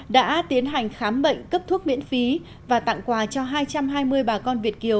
đã tiến hành khám bệnh cấp thuốc miễn phí và tặng quà cho hai trăm hai mươi bà con việt kiều